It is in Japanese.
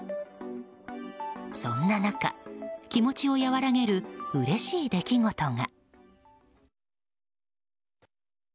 そんな中、気持ちを和らげるうれしい出来事が。